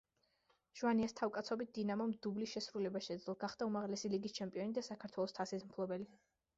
ჟვანიას თავკაცობით „დინამომ“ დუბლის შესრულება შეძლო, გახდა უმაღლესი ლიგის ჩემპიონი და საქართველოს თასის მფლობელი.